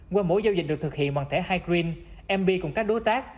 qua mỗi giao diện được thực hiện bằng thẻ high green mb cùng các đối tác